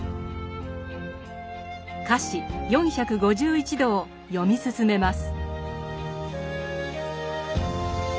「華氏４５１度」を読み進めます。